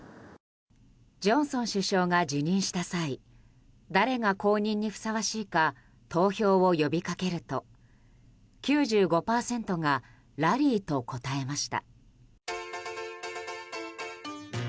ジョンソン首相が辞任した際誰が後任にふさわしいか投票を呼び掛けると９５％がラリーと答えました。